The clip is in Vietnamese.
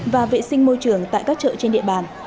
và vệ sinh môi trường tại các chợ trên địa bàn